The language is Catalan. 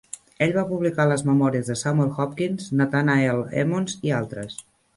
Ell va publicar les memòries de Samuel Hopkins, Nathanael Emmons i altres.